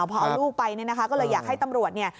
พอเอาลูกไปเนี่ยนะคะก็เลยอยากให้ตำรวจเนี่ย